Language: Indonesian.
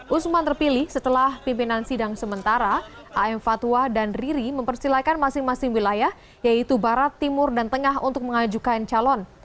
usman terpilih setelah pimpinan sidang sementara am fatwa dan riri mempersilahkan masing masing wilayah yaitu barat timur dan tengah untuk mengajukan calon